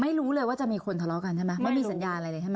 ไม่รู้เลยว่าจะมีคนทะเลาะกันใช่ไหมไม่มีสัญญาณอะไรเลยใช่ไหม